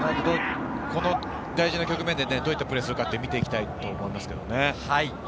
大事な局面でどういったプレーをするか見ていきたいと思います。